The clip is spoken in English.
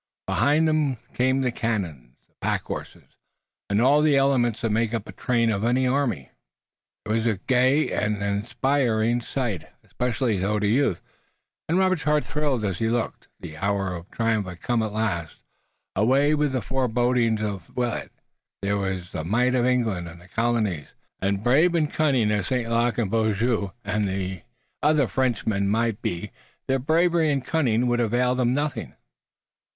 Behind them came the cannon, the packhorses, and all the elements that make up the train of an army. It was a gay and inspiriting sight, especially so to youth, and Robert's heart thrilled as he looked. The hour of triumph had come at last. Away with the forebodings of Willet! Here was the might of England and the colonies, and, brave and cunning as St. Luc and Beaujeu and the other Frenchmen might be their bravery and cunning would avail them nothing.